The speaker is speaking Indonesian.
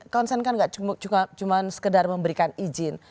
konsen kan nggak cuma sekedar memberikan izin